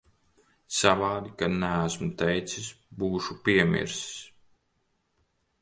Savādi, ka neesmu teicis. Būšu piemirsis.